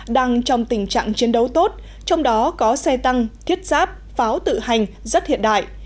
đang trong tình trạng chiến đấu tốt trong đó có xe tăng thiết giáp pháo tự hành rất hiện đại